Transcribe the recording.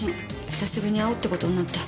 久しぶりに会おうって事になって。